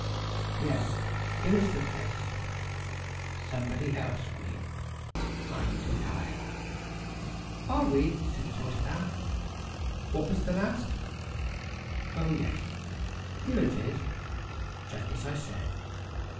"Yes, here is the place. Somebody else read; I'm too tired." "I'll read," said Sauce Pan. "What was the last? Oh, yes, here it is, just as I said!"